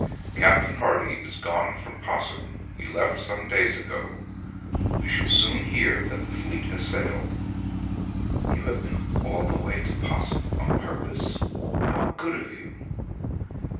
'Captain Hardy is gone from Pos'ham. He left some days ago. We shall soon hear that the fleet has sailed.' 'You have been all the way to Pos'ham on purpose? How good of you!'